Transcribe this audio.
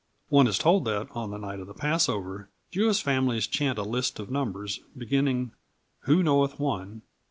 One is told that, on the night of the Passover, Jewish families chant a list of numbers, beginning "Who knoweth One?"